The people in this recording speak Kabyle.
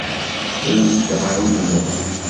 Qqlent ɣer uneẓruf.